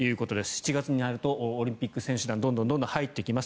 ７月になるとオリンピック選手団がどんどん入ってきます。